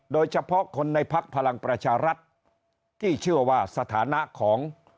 โดยเฉพาะคนในพักพลังประชารัฐที่เชื่อว่าสถานะของ